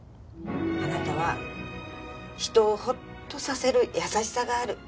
あなたは人をホッとさせる優しさがある。